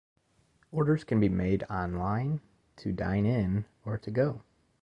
Orders can be made online, to dine-in, or to-go.